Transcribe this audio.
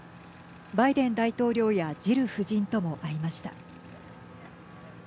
バイデン大統領やジル夫人とも会いました。